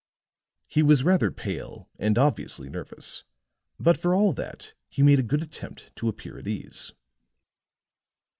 He was rather pale and obviously nervous; but for all that he made a good attempt to appear at ease.